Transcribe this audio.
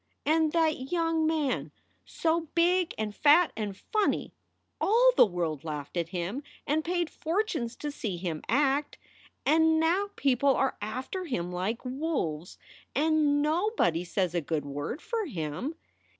"And that young man, so big and fat and funny all the world laughed at him and paid fortunes to see him act. And now people are after him like wolves, and nobody says a good word for him.